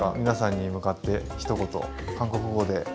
皆さんに向かってひと言韓国語で。